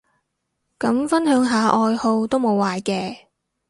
咁分享下愛好都無壞嘅